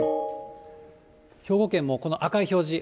兵庫県もこの赤い表示。